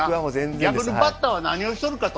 逆にバッターは何をしとるかと。